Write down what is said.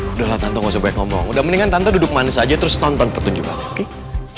udah lah tante gak usah banyak ngomong udah mendingan tante duduk manis aja terus tonton pertunjukannya oke